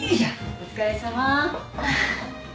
お疲れさま。